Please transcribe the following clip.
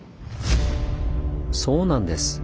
そうなんです！